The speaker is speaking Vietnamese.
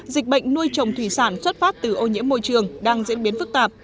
dịch bệnh nuôi trồng thủy sản xuất phát từ ô nhiễm môi trường đang diễn biến phức tạp